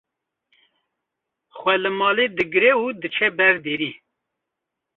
xwe li malê digire û diçe ber derî